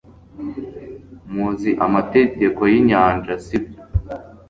Muzi amategeko y'inyanja, sibyo